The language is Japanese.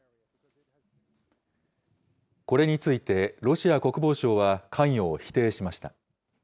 これについてロシア国防省は関与を否定しました。